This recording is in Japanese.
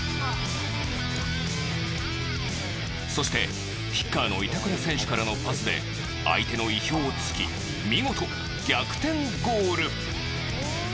そしてキッカーの板倉選手からのパスで相手の意表を突き見事、逆転ゴール！